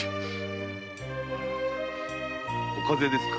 お風邪ですか？